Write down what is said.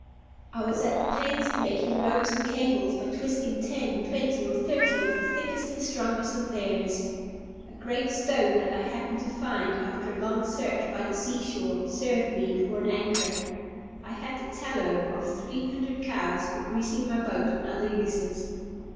I was at the pains of making ropes and cables by twisting ten, twenty, or thirty of the thickest and strongest of theirs. A great stone that I happened to find, after a long search by the sea shore, served me for an anchor. I had the tallow of three hundred cows for greasing my boat and other uses.